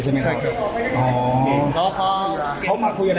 เราก็แจ้งคุณ